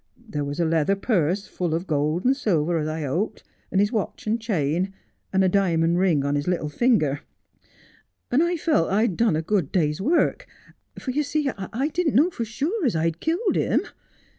There was a leather purse full of gold and silver, as I hoped, and his watch and chain, and a diamond ring on his little finger, and I felt 1 had done a good day's work. For, yer see, I didn't know for sure as I'd killed him.